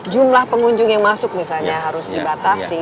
jumlah pengunjung yang masuk misalnya harus dibatasi